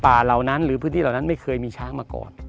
เหล่านั้นหรือพื้นที่เหล่านั้นไม่เคยมีช้างมาก่อน